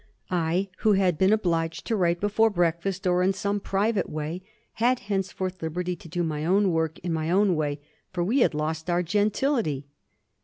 I, who had been obliged to write before breakfast, or in some private way, had henceforth liberty to do my own work in my own way; for we had lost our gentility.